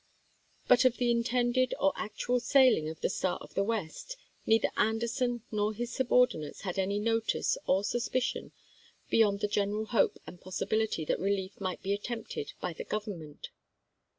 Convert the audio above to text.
But of the intended or actual sailing of the Star of the West, neither Anderson nor his subordinates had any notice or suspicion beyond the general hope and possibility that relief might be attempted by the Govern ment.